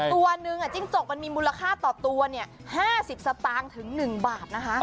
ตัวนึงจิ้งจกมันมีมูลค่าต่อตัว๕๐สตางค์ถึง๑บาทนะคะ